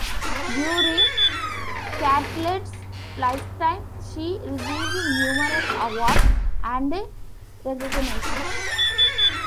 During Catlett's lifetime she received numerous awards and recognitions.